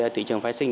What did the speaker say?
thị trường phái sinh